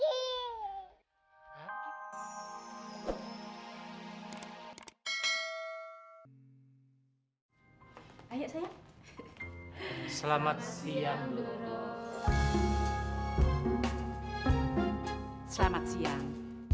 selamat siang selamat siang